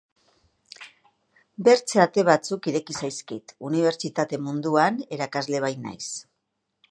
Bertze ate batzuk ireki zaizkit, unibertsitate munduan erakasle bainaiz.